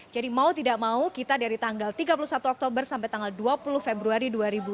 jadi mau tidak mau kita dari tanggal tiga puluh satu oktober sampai tanggal dua puluh februari dua ribu delapan belas